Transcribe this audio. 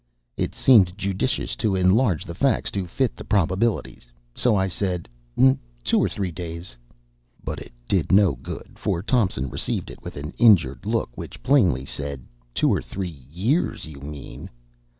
It seemed judicious to enlarge the facts to fit the probabilities; so I said, "Two or three days." But it did no good; for Thompson received it with an injured look which plainly said, "Two or three years, you mean."